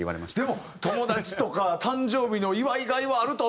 でも友達とか誕生日の祝いがいはあると思うけどな。